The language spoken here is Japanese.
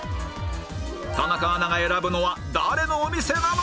田中アナが選ぶのは誰のお店なのか！？